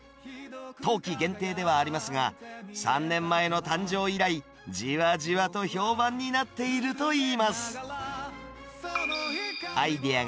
冬季限定ではありますが、３年前の誕生以来、じわじわと評判になっているといいます。